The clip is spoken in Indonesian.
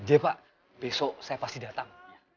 iya pak besok saya pasti datang